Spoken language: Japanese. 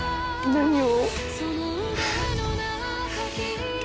何を？